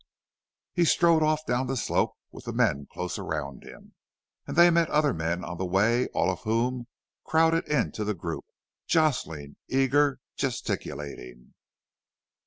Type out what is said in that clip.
He strode off down the slope with the men close around him, and they met other men on the way, all of whom crowded into the group, jostling, eager, gesticulating.